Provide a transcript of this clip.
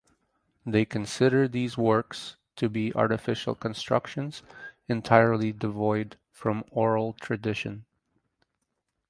They consider these works to be artificial constructions entirely devoid from oral tradition.